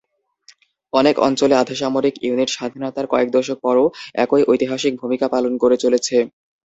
অনেক অঞ্চলে আধাসামরিক ইউনিট স্বাধীনতার কয়েক দশক পরও একই ঐতিহাসিক ভূমিকা পালন করে চলেছে।